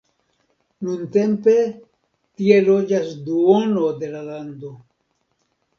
Nuntempe tie loĝas duono de la lando.